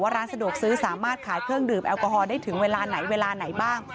ร้านสะดวกซื้อสามารถขายเครื่องดื่มแอลกอฮอลได้ถึงเวลาไหนเวลาไหนบ้าง